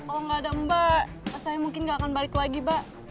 kalau nggak ada mbak saya mungkin nggak akan balik lagi mbak